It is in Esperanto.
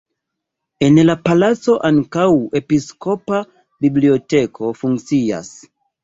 En la palaco ankaŭ episkopa biblioteko funkcias.